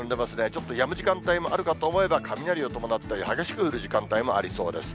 ちょっとやむ時間帯もあるかと思えば、雷を伴ったり、激しく降る時間帯もありそうです。